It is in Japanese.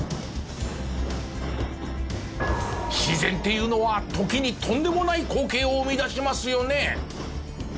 自然っていうのは時にとんでもない光景を生み出しますよね。